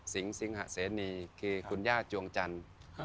สิงหะเสนีคือคุณย่าจวงจันทร์